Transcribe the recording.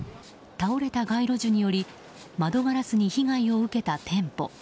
倒れた街路樹により窓ガラスに被害を受けた店舗。